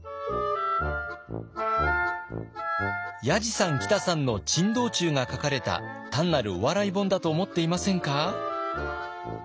やじさんきたさんの珍道中が書かれた単なるお笑い本だと思っていませんか？